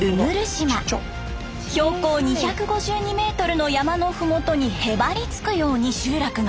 標高２５２メートルの山の麓にへばりつくように集落が。